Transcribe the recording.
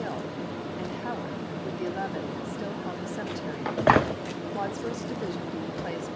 Hill, and Howard, with the Eleventh, still held the Cemetery, Wadsworth's division being placed be Juiy2,i863.